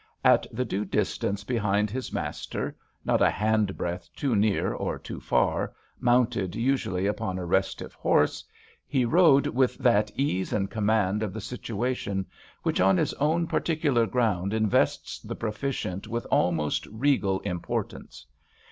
At the due distance behind his master, not a hand breadth too near or too far, mounted usually upon a restive horse, he rode with that ease and command of the situation, which on his own particular ground invests the proficient with almost regal importance.